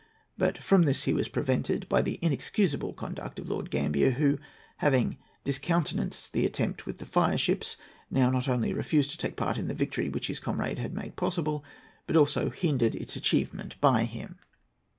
But from this he was prevented by the inexcusable conduct of Lord Gambier, who, having discountenanced the attempt with the fireships, now not only refused to take part in the victory which his comrade had made possible, but also hindered its achievement by him.